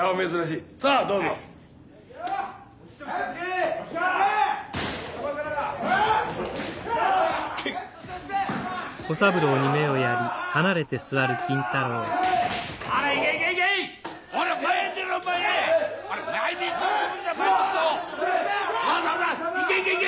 いけいけいけいけ！